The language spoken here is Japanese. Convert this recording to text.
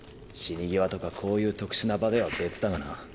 死に際とかこういう特殊な場では別だがな。